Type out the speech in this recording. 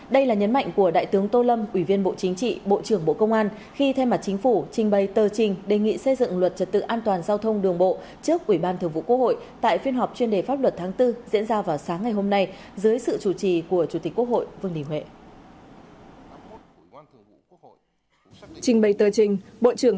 đây là nhấn mạnh của đại tướng tô lâm ủy viên bộ chính trị bộ trưởng bộ công an khi thay mặt chính phủ trình bày tờ trình đề nghị xây dựng luật trật tự an toàn giao thông đường bộ trước ủy ban thường vụ quốc hội tại phiên họp chuyên đề pháp luật tháng bốn diễn ra vào sáng ngày hôm nay dưới sự chủ trì của chủ tịch quốc hội vương đình huệ